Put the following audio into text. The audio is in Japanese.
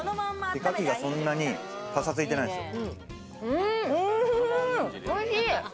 牡蠣がそんなにパサついてないんですよ。